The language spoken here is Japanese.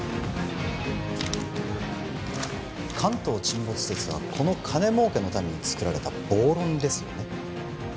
関東沈没説はこの金儲けのためにつくられた暴論ですよね